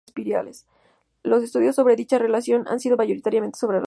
Los estudios sobre dicha relación han sido mayoritariamente sobre ratas.